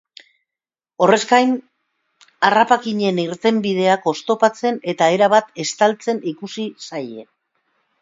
Horrez gain, harrapakinen irtenbideak oztopatzen eta erabat estaltzen ikusi zaie.